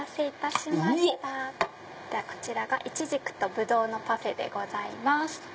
こちらがいちじくとぶどうのパフェでございます。